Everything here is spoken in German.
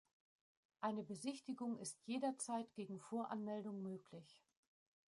Eine Besichtigung ist jederzeit gegen Voranmeldung möglich.